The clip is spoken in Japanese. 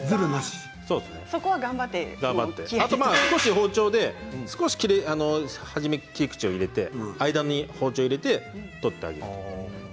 あとは包丁で少し初め切り口を入れて、間に包丁を入れて取ってあげてもいいですね。